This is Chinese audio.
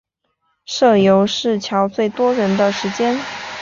社游是乔最多人的时间